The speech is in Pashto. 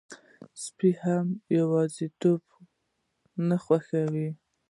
سپي هم یواځيتوب نه خوښوي.